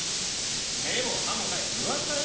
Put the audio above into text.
根も葉もないうわさよ